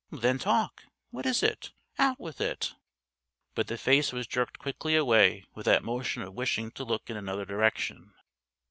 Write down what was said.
"Then talk! What is it? Out with it!" But the face was jerked quickly away with that motion of wishing to look in another direction.